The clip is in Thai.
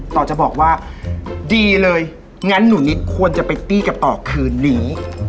ต่อจะบอกว่าดีเลยงั้นหนูนิดควรจะไปตี้กับต่อคืนนี้